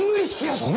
そんなの！